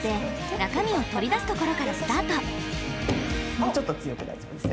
もうちょっと強くて大丈夫ですよ。